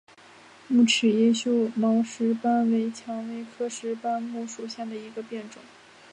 木齿叶锈毛石斑为蔷薇科石斑木属下的一个变种。